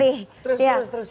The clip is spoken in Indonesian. terus terus terus